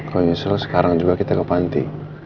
kalo nyesel sekarang juga kita ke panti